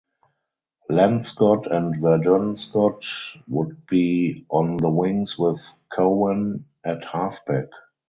Len Scott and Verdun Scott would be on the wings with Cowan at halfback.